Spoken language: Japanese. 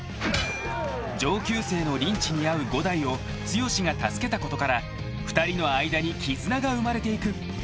［上級生のリンチに遭う伍代を剛が助けたことから２人の間に絆が生まれていく］